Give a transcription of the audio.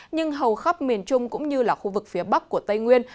nhưng hầu khắp miền trung cũng như là khu vực phía bắc của tây nguyên